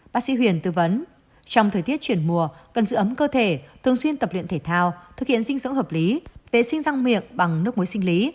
bác sĩ huyền tư vấn trong thời tiết chuyển mùa cần giữ ấm cơ thể thường xuyên tập luyện thể thao thực hiện dinh dưỡng hợp lý vệ sinh răng miệng bằng nước muối sinh lý